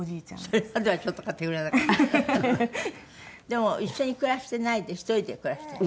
でも一緒に暮らしてないで１人で暮らしてる？